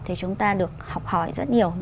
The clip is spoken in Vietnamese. thì chúng ta được học hỏi rất nhiều